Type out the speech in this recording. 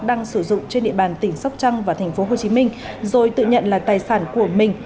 đang sử dụng trên địa bàn tỉnh sóc trăng và thành phố hồ chí minh rồi tự nhận là tài sản của mình